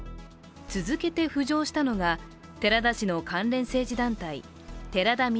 続けて浮上したのが寺田氏の関連政治団体寺田稔